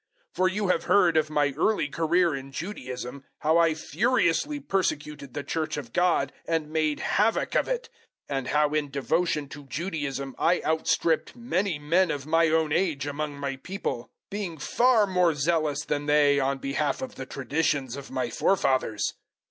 001:013 For you have heard of my early career in Judaism how I furiously persecuted the Church of God, and made havoc of it; 001:014 and how in devotion to Judaism I outstripped many men of my own age among my people, being far more zealous than they on behalf of the traditions of my forefathers.